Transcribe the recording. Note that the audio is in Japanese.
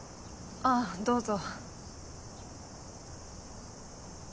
あどうぞ。